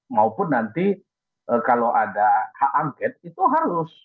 maupun nanti kalau ada hak angket itu harus